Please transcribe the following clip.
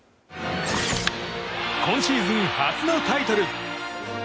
今シーズン初のタイトル。